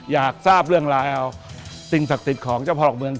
อยากทราบเรื่องราวสิ่งศักดิ์สิทธิ์ของเจ้าพ่อหลักเมือง